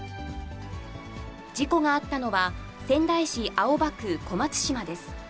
事故があったのは、仙台市青葉区小松島です。